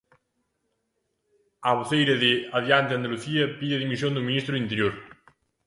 A voceira de Adiante Andalucía pide a dimisión do ministro do Interior.